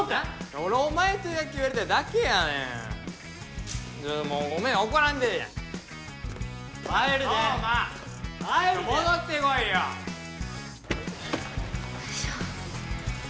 俺お前と野球やりたいだけやねんもうごめん怒らんでーや帰るで壮磨帰るでちょ戻ってこいよよいしょ